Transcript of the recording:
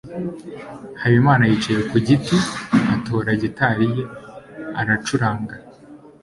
Habimana yicaye ku giti, atora gitari ye, aracuranga.